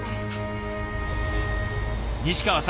西川さん